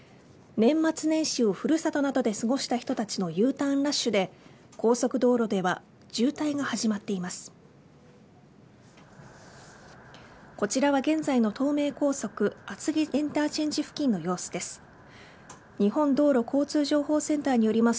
年末年始をふるさとなどで過ごした人たちのＵターンラッシュで高速道路では渋滞が始まっています。